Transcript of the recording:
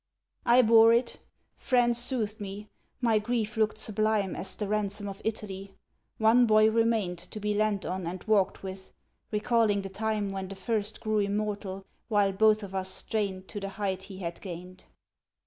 I bore it; friends soothed me: my grief looked sublime As the ransom of Italy. One boy remained To be leant on and walked with, recalling the time When the first grew immortal, while both of us strained To the height he had gained.